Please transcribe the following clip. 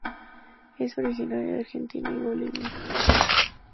Es originaria de Argentina y Bolivia.